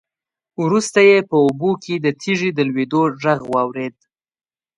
وروسته يې په اوبو کې د تېږې د لوېدو غږ واورېد.